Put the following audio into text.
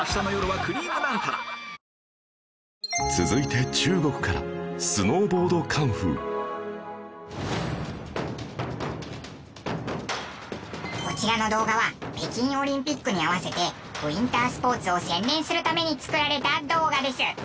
続いて中国からこちらの動画は北京オリンピックに合わせてウインタースポーツを宣伝するために作られた動画です。